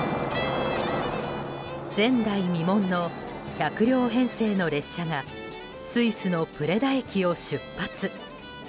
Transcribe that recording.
前代未聞の１００両編成の列車がスイスのプレダ駅を出発。